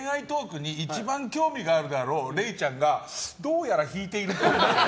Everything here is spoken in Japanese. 恋愛トークに一番興味があるであろうれいちゃんがどうやら引いているっぽい。